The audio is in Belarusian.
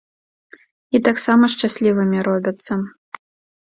І таксама шчаслівымі робяцца.